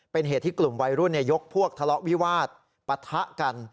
เป็นเหตุที่กลุ่มวัยรุ่นยกพวกทะเลาะวิวาสปะทะกัน